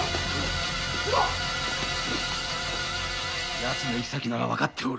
奴の行き先なら分かっておる。